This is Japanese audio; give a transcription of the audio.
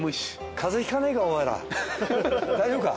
大丈夫か？